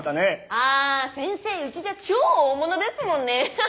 あー先生うちじゃ超大物ですもんねーアハハ。